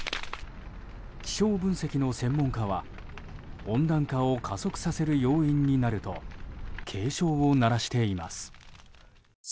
気象分析の専門家は温暖化を加速させる要因になると警鐘を鳴らしています。